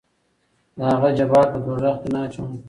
دهغه جبار په دوزخ کې نه اچوم.